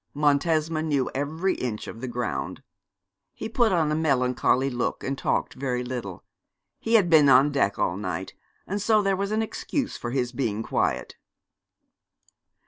Montesma knew every inch of the ground. He put on a melancholy look, and talked very little. He had been on deck all night, and so there was an excuse for his being quiet.